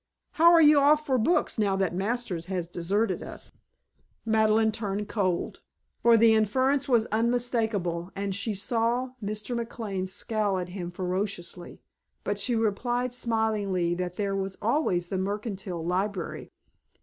How are you off for books now that Masters has deserted us?" Madeleine turned cold, for the inference was unmistakable, and she saw Mr. McLane scowl at him ferociously, But she replied smilingly that there was always the Mercantile Library.